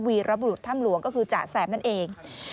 วีรบุรุษถ้ำหลวงก็คือจ๋าแซมนั่นเอง